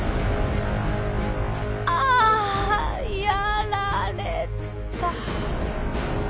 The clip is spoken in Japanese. あやられた。